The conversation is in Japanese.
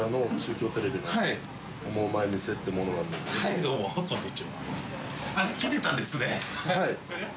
呂どうもこんにちは。